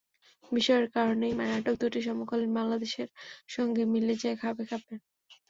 বিষয়ের কারণেই নাটক দুটি সমকালীন বাংলাদেশের সঙ্গে মিলে যায় খাপে খাপে।